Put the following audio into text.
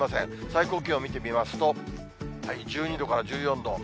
最高気温見てみますと、１２度から１４度。